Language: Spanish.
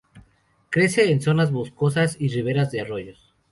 Crece en zonas boscosas y riveras de arroyos.